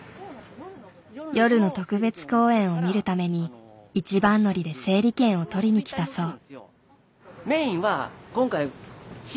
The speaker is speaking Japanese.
夜の特別公演を見るために一番乗りで整理券を取りにきたそう。